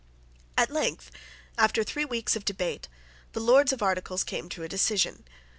At length, after three weeks of debate, the Lords of Articles came to a decision.